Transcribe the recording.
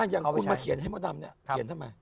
อย่างคุณมาเขียนให้มดดำเนี่ยเขียนทำไม